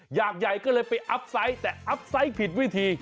อยากใหญ่ก็เลยไปอัพไซต์แต่อัพไซต์ผิดวิธี